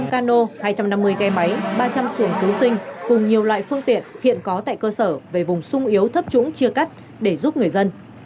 bốn mươi năm cano hai trăm năm mươi cây máy ba trăm linh xuồng cứu sinh cùng nhiều loại phương tiện hiện có tại cơ sở về vùng sung yếu thấp trũng chưa cắt để giúp người dân